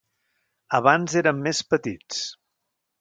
Abans érem més petits.